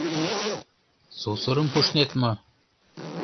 Сусырым пуштнет мо?